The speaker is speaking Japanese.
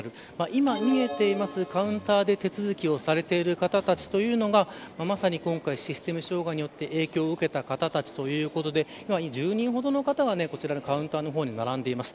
今、見えていますカウンターで手続きをされている方たちというのがまさに今回システム障害によって影響を受けた方々ということで１０人ほどの方たちがこちらのカウンターの方に並んでいます。